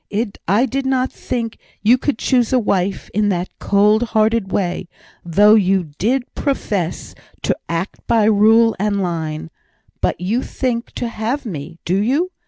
I did not think you could choose a wife in that cold hearted way, though you did profess to act by rule and line; but you think to have me, do you?